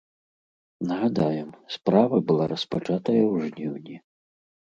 Нагадаем, справа была распачатая ў жніўні.